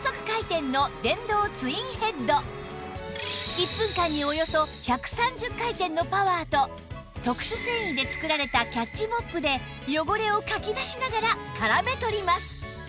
１分間におよそ１３０回転のパワーと特殊繊維で作られたキャッチモップで汚れをかき出しながら絡め取ります